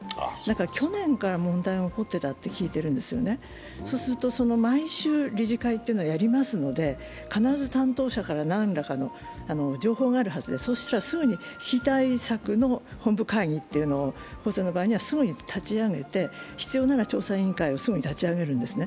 去年から問題が起こっていたって聞いたんですね、毎週、理事会っていうのはやりますので、必ず担当者から何らかの情報があるはずでそうしたらすぐに危機対策の本部会議というのを法政はすぐに立ち上げて、必要なら調査委員会をすぐ立ち上げるんですね。